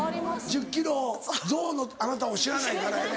１０ｋｇ増のあなたを知らないからやね。